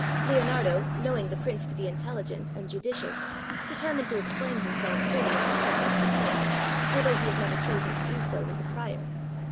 Leonardo, knowing the Prince to be intelUgent and judicious, determined to explain him self fully on the subject with him, although he had never chosen to do so with the Prior.